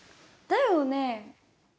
だよね。